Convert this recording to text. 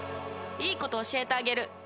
いいこと教えてあげる。